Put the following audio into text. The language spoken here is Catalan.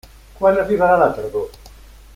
Quan arribarà la tardor?